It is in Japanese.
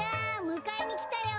むかえにきたよ。